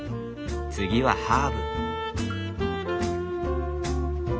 次はハーブ。